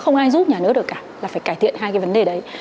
không ai giúp nhà nước được cả là phải cải thiện hai cái vấn đề đấy